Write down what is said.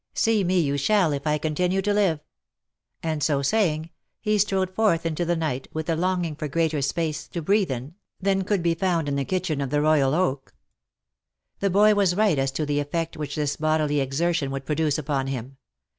See me you shall, if I continue to live ;" and so saying, he. strode forth into the night, with a longing for greater space to breathe in, than could be found in the kitchen of the Royal oak. The boy was right as to the effect which this bodily exertion would produce upon him.